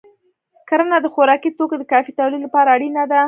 کرنه د خوراکي توکو د کافی تولید لپاره اړینه ده.